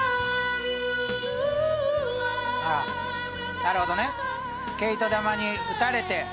なるほどね毛糸玉にうたれて。